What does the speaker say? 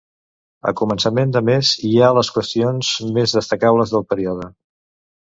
A començament de mes hi ha les qüestions més destacables del període.